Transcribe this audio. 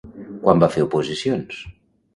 Quan va fer oposicions?